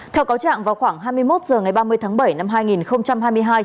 theo cáo trạng vào khoảng hai mươi một h ngày ba mươi tháng bảy năm hai nghìn hai mươi hai